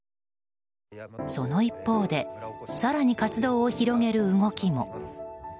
その一方で更に活動を広げる動きも。